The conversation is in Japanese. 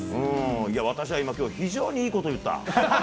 私は今、非常にいいこと言った。